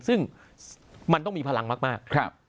ซึ่งมันต้องมีพลังมาก